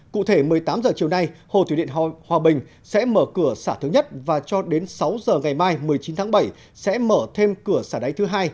cụ thể một mươi tám h chiều nay hồ thủy điện hòa bình sẽ mở cửa xả thứ nhất và cho đến sáu giờ ngày mai một mươi chín tháng bảy sẽ mở thêm cửa xả đáy thứ hai